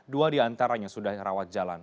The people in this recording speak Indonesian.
dua di antaranya sudah dirawat jalan